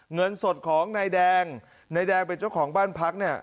เงินสดของนายแดงนายแดงเป็นเจ้าของบ้านพักเนี่ย